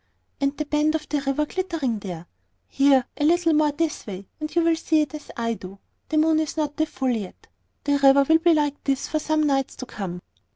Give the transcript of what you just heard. "And the bend of the river glittering there! Here, a little more this way, and you will see it as I do. The moon is not at the full yet; the river will be like this for some nights to come."